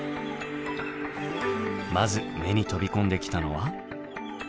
まず目に飛び込んできたのは。